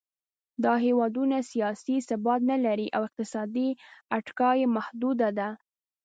دا هېوادونه سیاسي ثبات نهلري او اقتصادي اتکا یې محدوده ده.